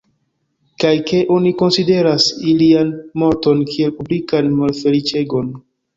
Kaj ke oni konsideras ilian morton kiel publikan malfeliĉegon.